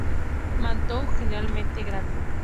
Manto generalmente grande.